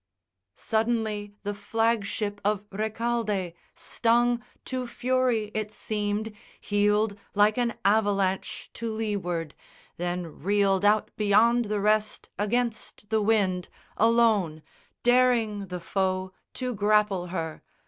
Suddenly the flag ship of Recaldé, stung To fury it seemed, heeled like an avalanche To leeward, then reeled out beyond the rest Against the wind, alone, daring the foe To grapple her.